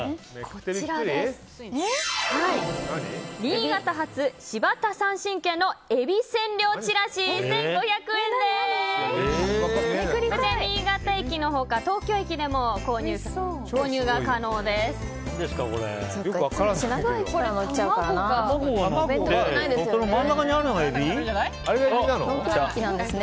こちら新潟駅の他、東京駅でも購入が可能です。